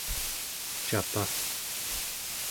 capaᵉ